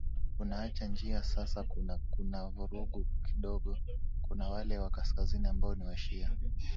unaacha njia sasa kuna kuna vurugu kidogo kuna wale wa kaskazini ambao ni washia